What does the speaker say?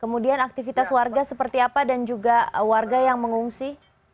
kemudian aktivitas warga seperti apa dan juga warga yang mengungsi